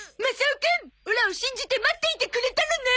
オラを信じて待っていてくれたのね！